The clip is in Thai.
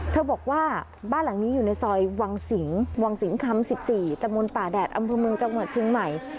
บอกว่าบ้านหลังนี้อยู่ในซอยวังสิงวังสิงคำ๑๔ตะมนต์ป่าแดดอำเภอเมืองจังหวัดเชียงใหม่